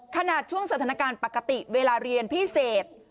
ช่วงสถานการณ์ปกติเวลาเรียนพิเศษ